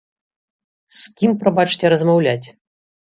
З кім, прабачце, размаўляць?